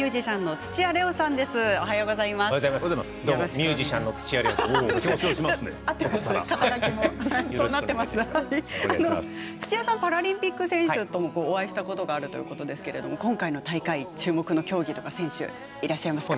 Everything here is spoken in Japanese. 土屋さんパラリンピック選手ともお会いしたことがあるということですが今回の大会、注目の競技とか選手いますか？